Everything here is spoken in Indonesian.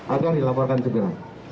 agar dilaporkan segera